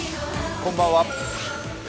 こんばんは。